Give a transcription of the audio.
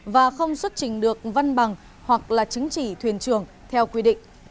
và không xuất trình được văn bằng hoặc là chứng chỉ thuyền trường theo quy định